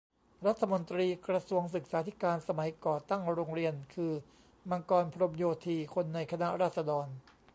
รัฐมนตรีกระทรวงศึกษาธิการสมัยก่อตั้งโรงเรียนคือ มังกร พรหมโยธี คนในคณะราษฎร